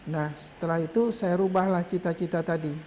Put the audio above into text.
nah setelah itu saya rubahlah cita cita tadi